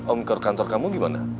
om ke kantor kamu gimana